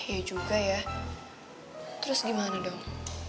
iya juga ya terus gimana dong